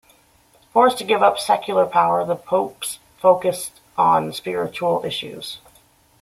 Forced to give up secular power, the popes focused on spiritual issues.